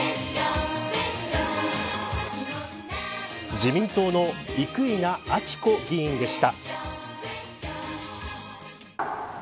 自民党の生稲晃子議員でした。